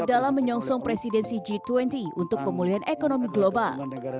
dalam menyongsong presidensi g dua puluh untuk pemulihan ekonomi global